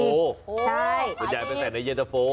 มาใจจะเป็นใส่ในเย็นตะโฟ